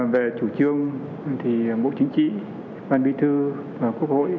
về chủ trương thì bộ chính trị ban bí thư và quốc hội